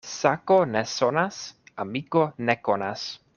Sako ne sonas, amiko ne konas.